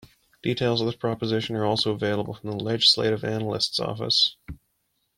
Details of this proposition are also available from the Legislative Analyst's Office.